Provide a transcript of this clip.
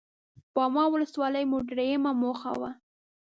باما ولسوالي مو درېيمه موخه وه.